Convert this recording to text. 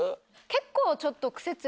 結構ちょっと。